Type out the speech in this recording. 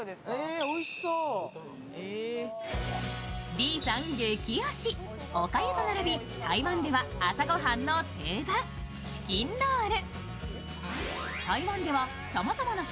李さん激推し、おかゆと並び台湾では朝ご飯の定番、チキンロール。